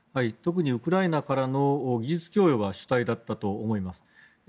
特にウクライナからの技術供与が主体だったと思います。